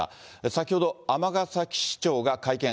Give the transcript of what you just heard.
先ほど、尼崎市長が会見。